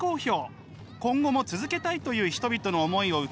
今後も続けたいという人々の思いを受け取った廣川さん。